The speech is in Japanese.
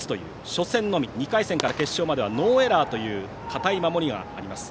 初戦のみ、２回戦から決勝まではノーエラーという堅い守りがあります。